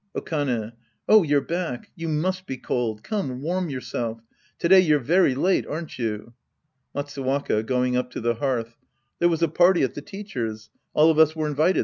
Okane. Oh, you're back. You must be cold. Come, wai m yourself. To day you're very late, aren't you? Matsuwaka {going up to the hearth). There was a party at the teacher's. All of us were invited.